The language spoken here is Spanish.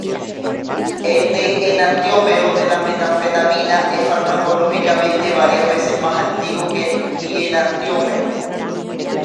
El d-enantiómero de la metanfetamina es farmacológicamente varias veces más activo que el l-enantiómero.